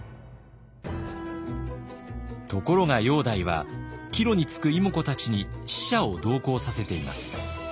ところが煬帝は帰路につく妹子たちに使者を同行させています。